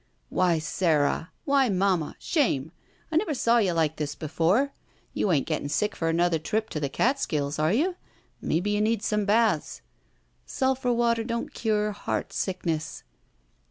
"Why, Sara! Why, Mamma! Shame! I never saw you like this before. You ain't getting sick for another trip to the Catskills, are you? Maybe you need some baths —" "Stdphur water don't cure heart sickness."